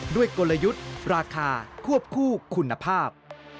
กลยุทธ์ราคาควบคู่คุณภาพ